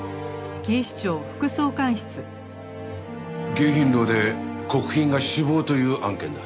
迎賓楼で国賓が死亡という案件だ。